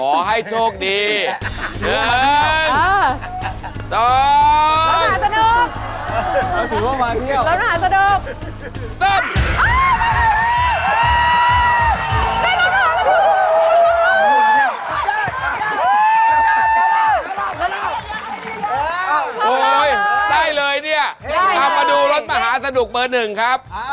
โอ้โหได้เลยเดี๋ยวมาดูรถขายสนุกเปิด๑ครับ